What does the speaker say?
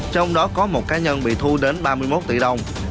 trong đó có một cá nhân bị thu đến ba mươi một tỷ đồng